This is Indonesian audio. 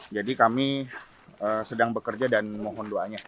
jadi kami sedang bekerja dan mohon doanya